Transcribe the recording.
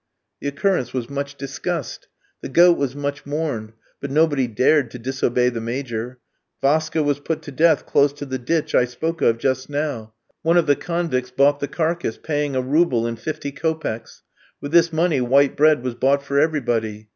The occurrence was much discussed; the goat was much mourned; but nobody dared to disobey the Major. Vaska was put to death close to the ditch I spoke of just now. One of the convicts bought the carcase, paying a rouble and fifty kopecks. With this money white bread was bought for everybody.